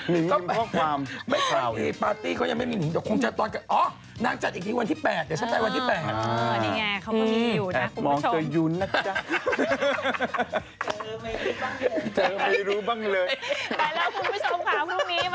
นิ้งกำลังทิมข้อความอยู่นิ้ง